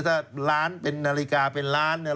ถ้าล้านเป็นนาฬิกาเป็นล้านเนี่ย